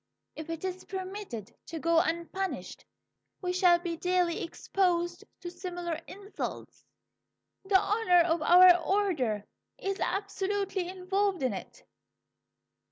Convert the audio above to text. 'If it is permitted to go unpunished, we shall be daily exposed to similar insults. The honour of our order is absolutely involved in it.